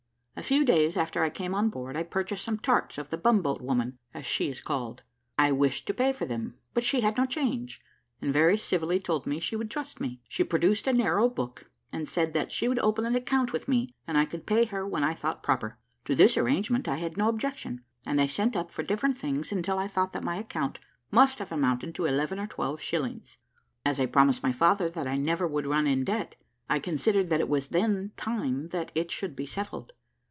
A few days after I came onboard, I purchased some tarts of the bumboat woman, as she is called; I wished to pay for them, but she had no change, and very civilly told me she would trust me. She produced a narrow book, and said that she would open an account with me, and I could pay her when I thought proper. To this arrangement I had no objection, and I sent up for different things until I thought that my account must have amounted to eleven or twelve shillings. As I promised my father that I never would run in debt, I considered that it was then time that it should be settled.